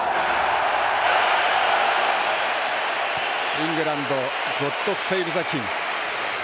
イングランド「ゴッド・セイブ・ザ・キング」。